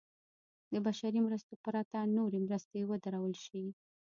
د بشري مرستو پرته نورې مرستې ودرول شي.